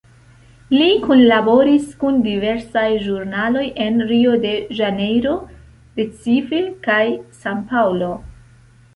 Li kunlaboris kun diversaj ĵurnaloj en Rio de Ĵanejro, Recife kaj San Paŭlo.